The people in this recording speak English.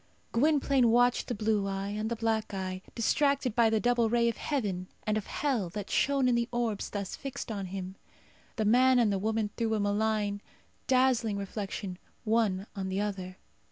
Gwynplaine watched the blue eye and the black eye, distracted by the double ray of heaven and of hell that shone in the orbs thus fixed on him. The man and the woman threw a malign dazzling reflection one on the other.